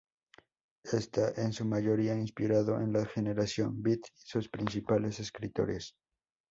Está en su mayoría inspirado en la generación beat y sus principales escritores.